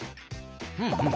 うんうん。